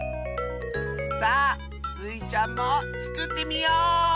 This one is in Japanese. さあスイちゃんもつくってみよう！